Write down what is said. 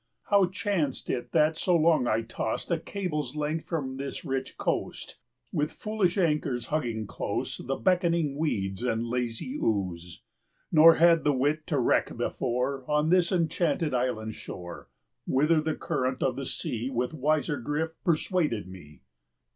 How chanced it that so long I tost A cable's length from this rich coast, With foolish anchors hugging close The beckoning weeds and lazy ooze, 80 Nor had the wit to wreck before On this enchanted island's shore, Whither the current of the sea, With wiser drift, persuaded me?